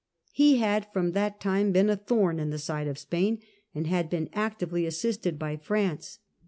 He had from that time been a thorn in the side of Spain, and had been actively assisted by France.